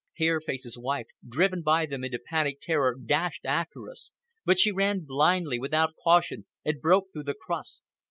Hair Face's wife, driven by them into panic terror, dashed after us. But she ran blindly, without caution, and broke through the crust.